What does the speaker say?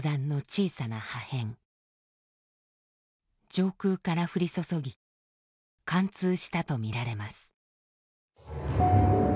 上空から降り注ぎ貫通したとみられます。